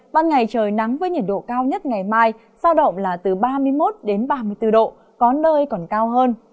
ban ngày trời nắng với nhiệt độ cao nhất ngày mai sao động là từ ba mươi một đến ba mươi bốn độ có nơi còn cao hơn